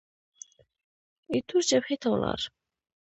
ایټور جبهې ته ولاړ.